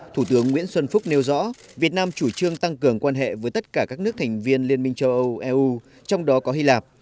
thủ tướng nguyễn xuân phúc nêu rõ việt nam chủ trương tăng cường quan hệ với tất cả các nước thành viên liên minh châu âu eu trong đó có hy lạp